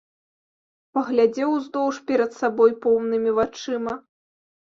Паглядзеў уздоўж перад сабой поўнымі вачыма.